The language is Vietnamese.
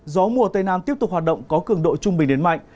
gió mùa tây nam tiếp tục hoạt động có cường độ trung bình đến mạnh